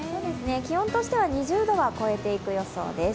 気温としては２０度は超えていく予想です。